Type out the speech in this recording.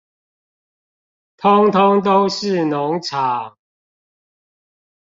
通通都是農場